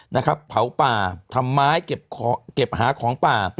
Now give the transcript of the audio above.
นะครับเผาป่าทำไม้เก็บหาของป่า